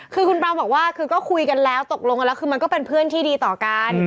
คือคุณเปล่าบอกว่าคือก็คุยกันแล้วตกลงกันแล้วคือมันก็เป็นเพื่อนที่ดีต่อกัน